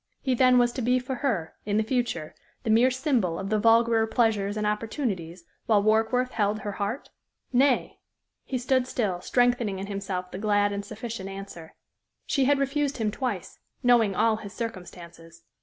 He then was to be for her, in the future, the mere symbol of the vulgarer pleasures and opportunities, while Warkworth held her heart? Nay! He stood still, strengthening in himself the glad and sufficient answer. She had refused him twice knowing all his circumstances.